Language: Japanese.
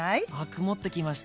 曇ってきました。